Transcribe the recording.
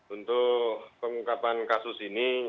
untuk pengungkapan kasus ini